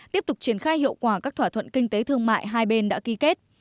tiếp tục triển khai hiệu quả các thỏa thuận kinh tế thương mại hai bên đã ký kết